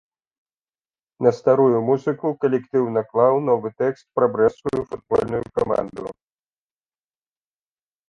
На старую музыку калектыў наклаў новы тэкст пра брэсцкую футбольную каманду.